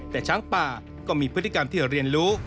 แต่ช้างป่าก็มีพฤติกรรมที่เรียนรู้